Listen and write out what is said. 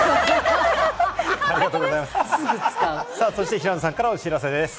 平野さんからお知らせです。